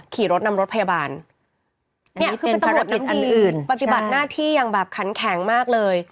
ขี่รถนำรถพยาบาลเนี่ยคือเป็นตำรวจท่านอื่นปฏิบัติหน้าที่อย่างแบบขันแข็งมากเลย